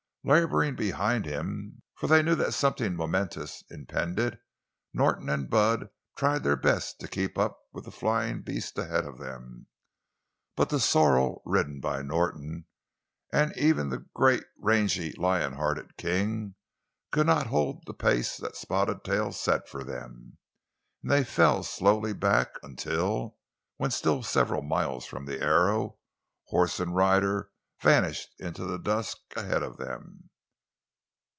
Laboring behind him, for they knew that something momentous impended, Norton and Bud tried their best to keep up with the flying beast ahead of them. But the sorrel ridden by Norton, and even the great, rangy, lionhearted King, could not hold the pace that Spotted Tail set for them, and they fell slowly back until, when still several miles from the Arrow, horse and rider vanished into the dusk ahead of them.